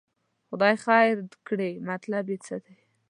خدای خیر کړي، مطلب یې څه دی.